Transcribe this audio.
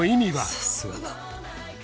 さすがだ。